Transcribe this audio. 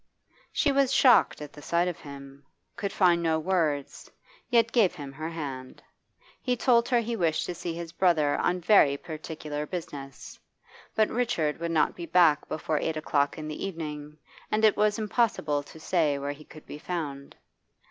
She was shocked at the sight of him, could find no words, yet gave him her hand. He told her he wished to see his brother on very particular business. But Richard would not be back before eight o'clock in the evening, and it was impossible to say where he could be found.